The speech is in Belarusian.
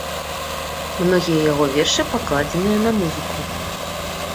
Многія яго вершы пакладзеныя на музыку.